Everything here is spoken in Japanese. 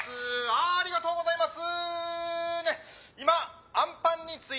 ありがとうございます。